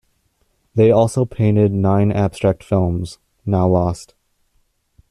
They also painted nine abstract films, now lost.